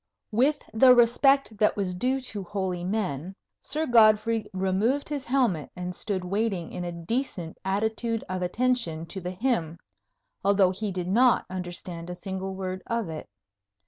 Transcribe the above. [Illustration: FATHER ANSELM SIR GODFREY] With the respect that was due to holy men, Sir Godfrey removed his helmet, and stood waiting in a decent attitude of attention to the hymn, although he did not understand a single word of it.